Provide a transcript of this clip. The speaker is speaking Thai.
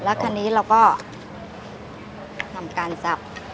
แล้วคันนี้เราก็ทำการสับ